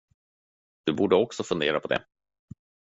Du borde också fundera på det.